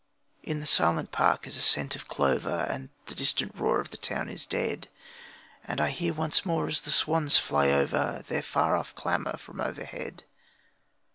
..... In the silent park is a scent of clover, And the distant roar of the town is dead, And I hear once more as the swans fly over Their far off clamour from overhead.